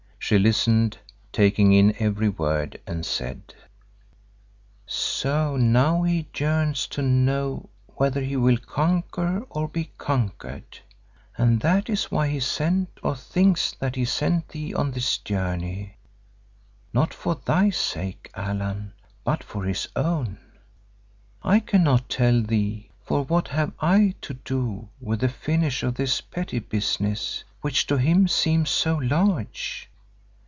She listened, taking in every word, and said, "So now he yearns to know whether he will conquer or be conquered; and that is why he sent, or thinks that he sent thee on this journey, not for thy sake, Allan, but for his own. I cannot tell thee, for what have I do to with the finish of this petty business, which to him seems so large?